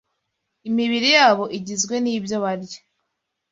Imibiri yabo igizwe n’ibyo barya